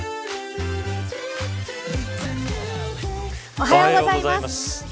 おはようございます。